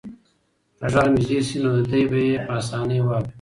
که غږ نږدې شي نو دی به یې په اسانۍ واوري.